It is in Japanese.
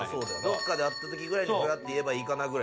どっかで会ったときふらって言えばいいかなぐらい。